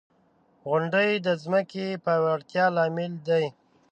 • غونډۍ د ځمکې د پیاوړتیا لامل دی.